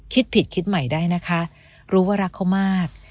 คิดผิดคิดใหม่ได้นะคะรู้ว่ารักเขามาก